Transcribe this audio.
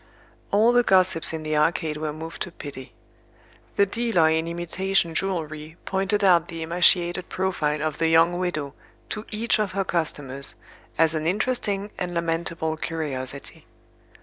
All the gossips in the arcade were moved to pity. The dealer in imitation jewelry pointed out the emaciated profile of the young widow to each of her customers, as an interesting and lamentable curiosity.